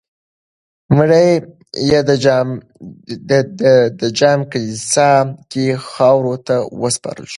مړی یې د جامع کلیسا کې خاورو ته وسپارل شو.